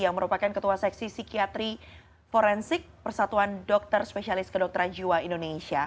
yang merupakan ketua seksi psikiatri forensik persatuan dokter spesialis kedokteran jiwa indonesia